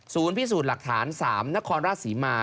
พิสูจน์หลักฐาน๓นครราชศรีมา